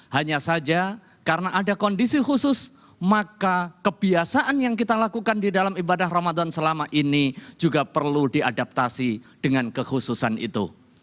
hanya saja karena ada kondisi khusus maka kebiasaan yang kita lakukan di dalam ibadah ramadan selama ini juga perlu diadaptasi dengan kekhususan itu